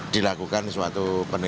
dilakukan suatu perbankan